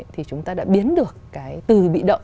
thì chúng ta đã biến được cái từ bị động